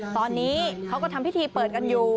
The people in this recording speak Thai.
ตอนนี้เขาก็ทำพิธีเปิดกันอยู่